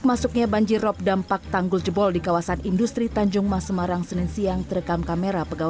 manrop juga meluber hingga jalan raya dan melumpukan arus lalu lintas di kawasan pelabuhan